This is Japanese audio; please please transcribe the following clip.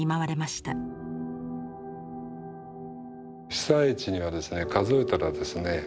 被災地にはですね数えたらですね